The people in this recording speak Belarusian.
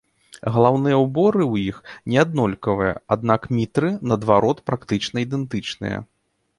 Галаўныя ўборы ў іх не аднолькавыя, аднак мітры наадварот практычна ідэнтычныя.